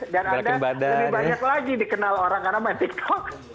dan anda lebih banyak lagi dikenal orang karena main tiktok